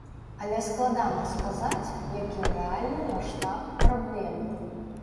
Але складана сказаць, які рэальны маштаб праблемы.